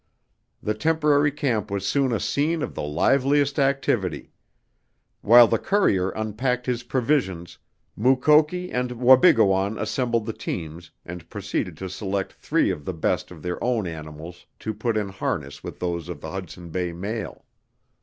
The temporary camp was soon a scene of the liveliest activity. While the courier unpacked his provisions, Mukoki and Wabigoon assembled the teams and proceeded to select three of the best of their own animals to put in harness with those of the Hudson Bay mail.